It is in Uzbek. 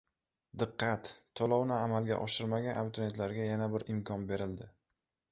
Diqqat: To‘lovni amalga oshirmagan abituriyentlarga yana bir imkon berildi